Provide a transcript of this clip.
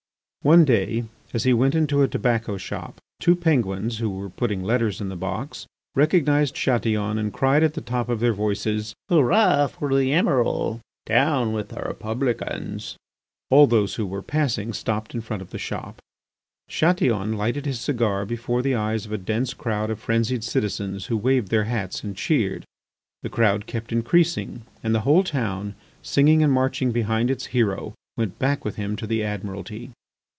One day, as he went into a tobacco shop, two Penguins who were putting letters in the box recognized Chatillon and cried at the top of their voices: "Hurrah for the Emiral! Down with the Republicans." All those who were passing stopped in front of the shop. Chatillon lighted his cigar before the eyes of a dense crowd of frenzied citizens who waved their hats and cheered. The crowd kept increasing, and the whole town, singing and marching behind its hero, went back with him to the Admiralty.